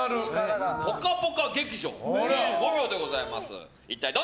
ぽかぽか劇場、５秒でございます。